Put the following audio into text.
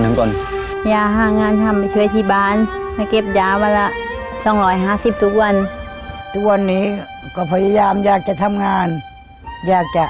ชอบอย่างง่านทำช่วยที่บ้านเก็บยาวละสองร้อยหาที่ตุกวันวันนี้ก็พยายามอยากจะทำงานอยากจะ